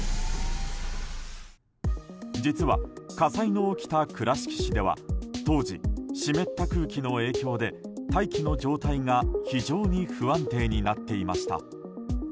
実は火災の起きた倉敷市では当時、湿った空気の影響で大気の状態が非常に不安定になっていました。